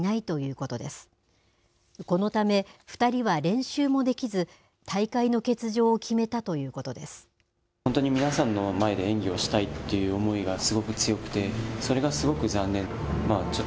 このため２人は練習もできず、大会の欠場を決めたということです。